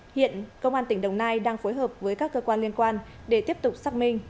hiện công an tỉnh đồng nai đang phối hợp với các cơ quan liên quan để tiếp tục xác minh